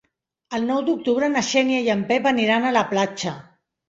El nou d'octubre na Xènia i en Pep aniran a la platja.